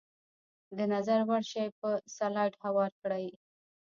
د نظر وړ شی په سلایډ هوار کړئ.